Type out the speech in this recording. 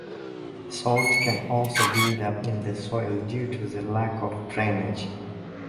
Salts can also build up in the soil due to the lack of drainage.